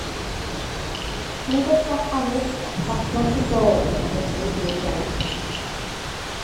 Nid oes gwell addysg at fasnach yn bod na dysgu dwy iaith.